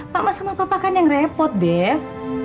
pak ma sama papa kan yang repot dev